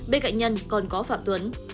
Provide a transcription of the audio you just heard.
bên cạnh nhân còn có phạm tuấn